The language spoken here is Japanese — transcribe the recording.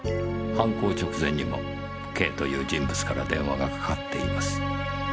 犯行直前にも「Ｋ」という人物から電話がかかっています。